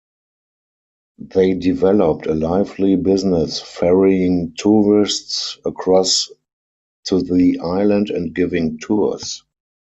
They developed a lively business ferrying tourists across to the island and giving tours.